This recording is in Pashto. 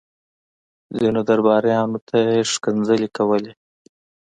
ځينو درباريانو ته يې کنځلې کولې.